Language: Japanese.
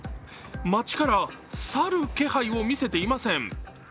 街から去る気配を見せていません。